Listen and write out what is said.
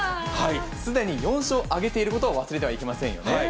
すでに４勝を挙げていることを忘れてはいけませんよね。